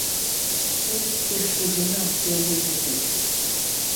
«Пу, пеш шуженам» — пӧрвой мутет.